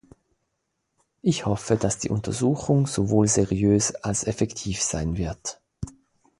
Ich hoffe, dass die Untersuchung sowohl seriös als effektiv sein wird.